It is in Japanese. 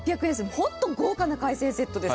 本当に豪華な海鮮セットです。